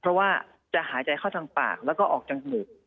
เพราะว่าจะหายใจเข้าทางปากแล้วก็ออกจมูก